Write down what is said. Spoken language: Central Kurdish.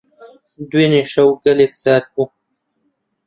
دوێنێ شەو گەلێک سارد بوو.